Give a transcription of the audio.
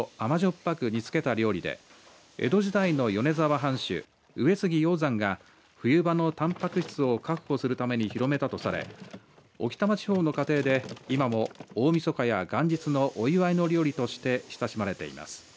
ぱく煮付けた料理で江戸時代の米沢藩主上杉鷹山が、冬場のたんぱく質を確保するために広めたとされ、置賜地方の家庭で今も、大みそかや元日のお祝いの料理として親しまれています。